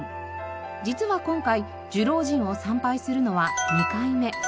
実は今回寿老神を参拝するのは２回目。